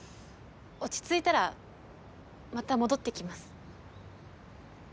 落ち着いたらまた戻ってきます。